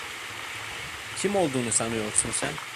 Kim olduğunu sanıyorsun sen?